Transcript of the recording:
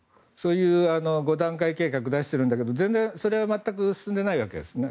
そういう５段階計画を出しているんだけど全然それは全く進んでないわけです。